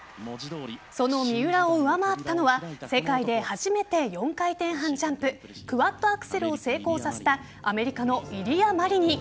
その三浦を上回ったのは世界で初めて４回転半ジャンプクワッドアクセルを成功させたアメリカのイリア・マリニン。